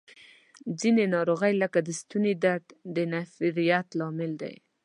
ځینې ناروغۍ لکه د ستوني درد د نفریت لامل دي.